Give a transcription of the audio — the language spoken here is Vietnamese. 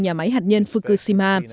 nhà máy hạt nhân fukushima